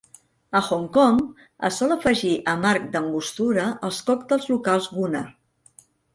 A Hong Kong, es sol afegir amarg d'Angostura als còctels locals Gunner.